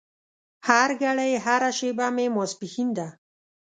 هرګړۍ هره شېبه مې ماسپښين ده